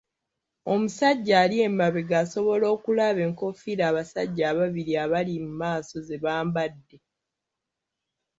Omusajja ali emabega asobola okulaba enkofiira abasajja ababiri abali mu maaso ze bambadde.